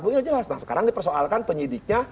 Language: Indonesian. nah sekarang dipersoalkan penyidiknya